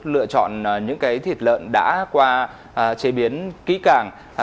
lựa chọn những thịt lợn đã qua chế biến kỹ càng